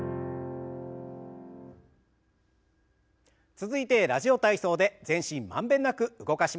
続いて「ラジオ体操」で全身満遍なく動かしましょう。